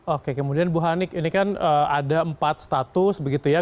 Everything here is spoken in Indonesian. oke kemudian bu hanik ini kan ada empat status begitu ya